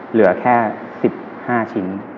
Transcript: เหลือแค่๑๕ชิ้น